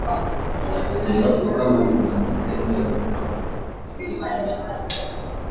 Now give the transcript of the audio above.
iwapo kama kuna uzembe wowote ambao umechangia hali kuwa hivyo